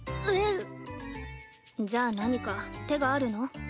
えっ⁉じゃあ何か手があるの？